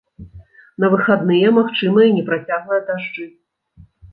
На выхадныя магчымыя непрацяглыя дажджы.